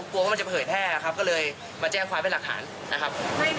ว่ามันจะเผยแพร่ครับก็เลยมาแจ้งความเป็นหลักฐานนะครับ